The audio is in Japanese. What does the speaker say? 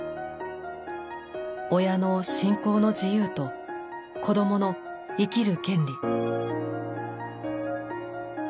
親の「信仰の自由」と子供の「生きる権利」。